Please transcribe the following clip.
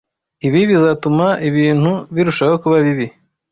Ibi bizatuma ibintu birushaho kuba bibi.